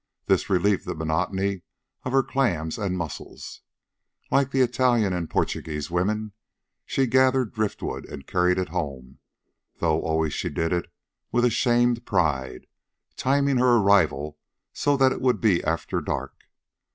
This relieved the monotony of her clams and mussels. Like the Italian and Portuguese women, she gathered driftwood and carried it home, though always she did it with shamed pride, timing her arrival so that it would be after dark.